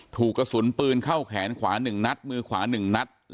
ถูกกระสุนปืนเข้าแขนขวา๑นัดมือขวา๑นัด